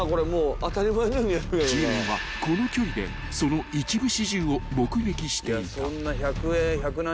［Ｇメンはこの距離でその一部始終を目撃していた］